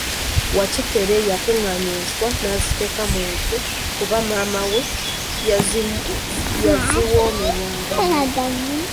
Wakikere yakunganya enswa naaziteeka muttu kuba maama we yaziwomerwanga nnyo.